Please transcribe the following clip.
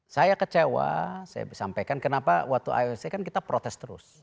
saya kecewa saya sampaikan kenapa waktu ioc kan kita protes terus